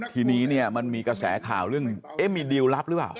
ทีนี้เนี่ยมันมีกระแสข่าวเรื่องเอ๊ะมีดิวลลับหรือเปล่า